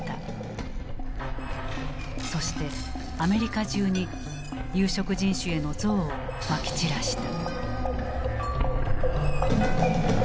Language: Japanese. そしてアメリカ中に有色人種への憎悪をまき散らした。